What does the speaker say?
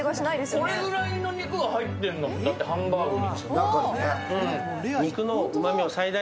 これぐらいの肉が入ってるんだもん、だってハンバーグに。